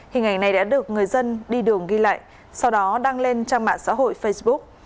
hình ảnh này đã được người dân đi đường ghi lại sau đó đăng lên trang mạng xã hội facebook